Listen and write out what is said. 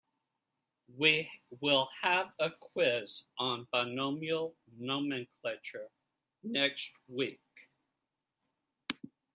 We will have a quiz on binomial nomenclature next week.